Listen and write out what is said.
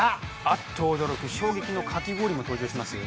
あっと驚く衝撃のかき氷も登場しますよ。